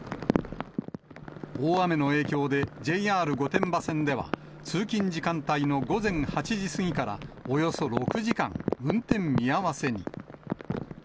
大雨の影響でＪＲ御殿場線では、通勤時間帯の午前８時過ぎから、およそ６時間、運転見合わせに。